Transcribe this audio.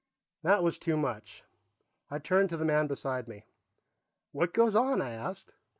That was too much. I turned to the man beside me. "What goes on?" I asked.